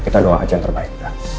kita doa aja yang terbaik